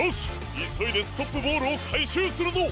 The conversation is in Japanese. いそいでストップボールをかいしゅうするぞ！